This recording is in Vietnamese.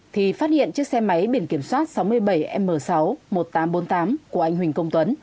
thì phát hiện chiếc xe máy biển kiểm soát sáu mươi bảy m sáu mươi một nghìn tám trăm bốn mươi tám của anh huỳnh công tuấn